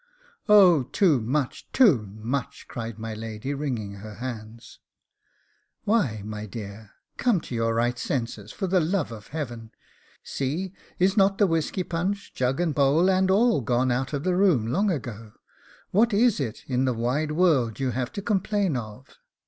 'Oh, too much! too much!' cried my lady, wringing her hands. 'Why, my dear, come to your right senses, for the love of heaven. See, is not the whisky punch, jug and bowl and all, gone out of the room long ago? What is it, in the wide world, you have to complain of?